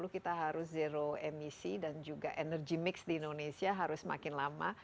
dua ribu enam puluh kita harus zero emisi dan juga energy mix di indonesia harus semakin lama